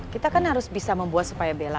kita kan harus bisa membuat supaya bela